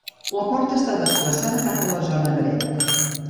La porta està desplaçada cap a la zona dreta.